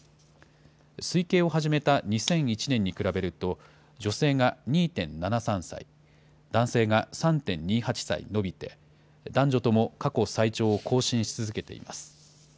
推計を始めた２００１年に比べると、女性が２．７３歳、男性が３．２８歳延びて、男女とも過去最長を更新し続けています。